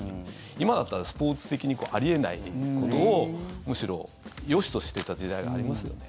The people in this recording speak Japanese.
今だったらスポーツ的にあり得ないことをむしろ、よしとしていた時代がありますよね。